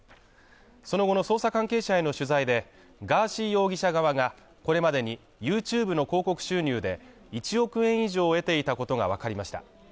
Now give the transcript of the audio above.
その後の捜査関係者への取材で、ガーシー容疑者側がこれまでにＹｏｕＴｕｂｅの広告収入で１億円以上を得ていたことがわかりました。